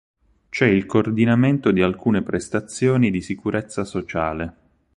C'è il coordinamento di alcune prestazioni di sicurezza sociale.